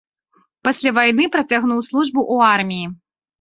Пасля вайны працягнуў службу ў арміі.